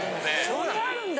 そんなあるんだ！